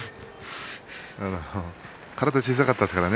体が小さかったですからね。